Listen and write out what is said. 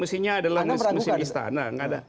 mesinnya adalah mesin istana